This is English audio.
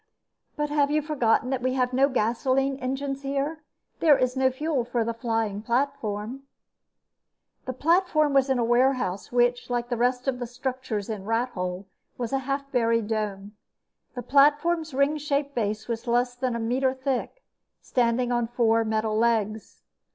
But have you forgotten that we have no gasoline engines here? There is no fuel for the flying platform." The platform was in a warehouse which, like the rest of the structures in Rathole, was a half buried dome. The platform's ring shaped base was less than a meter thick, standing on four metal legs.